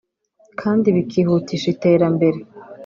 kandi bikihutisha iterambere